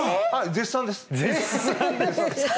絶賛です